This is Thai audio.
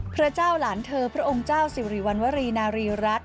พระเจ้าหลานเธอพระองค์เจ้าสิริวัณวรีนารีรัฐ